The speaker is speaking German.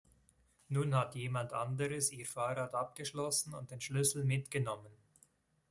Nun hat jemand anderes ihr Fahrrad abgeschlossen und den Schlüssel mitgenommen.